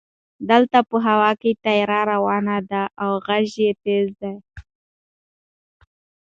دلته په هوا کې طیاره روانه ده او غژ یې تېز ده.